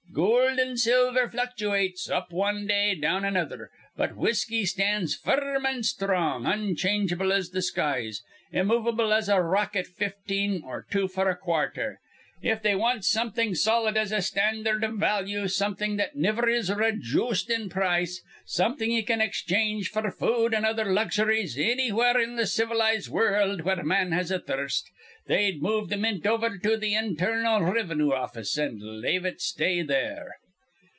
Goold and silver fluctuates, up wan day, down another; but whisky stands firm an' strong, unchangeable as th' skies, immovable as a rock at fifteen or two f'r a quarther. If they want something solid as a standard iv value, something that niver is rajjooced in price, something ye can exchange f'r food an' other luxuries annywhere in th' civilized wurruld where man has a thirst, they'd move th' Mint over to th' internal rivinue office, and lave it stay there."